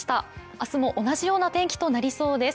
明日も同じような天気となりそうです。